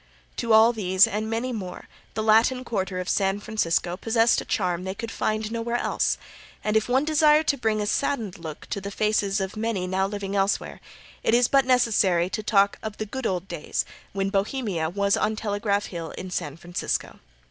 To all these and many more the Latin Quarter of San Francisco possessed a charm they could find nowhere else, and if one desire to bring a saddened look to the faces of many now living elsewhere it is but necessary to talk of the good old days when Bohemia was on Telegraph Hill in San Francisco.